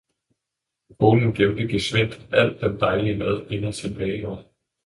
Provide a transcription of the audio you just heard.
Konen gemte gesvindt al den dejlige mad inde i sin bageovn.